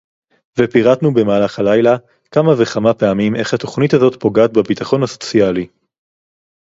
ופירטנו במהלך הלילה כמה וכמה פעמים איך התוכנית הזאת פוגעת בביטחון הסוציאלי